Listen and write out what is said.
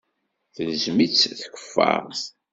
Telzem-itt tkeffart.